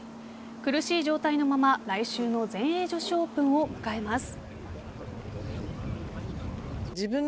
苦しい状態のまま来週の全英女子オープンを迎えます。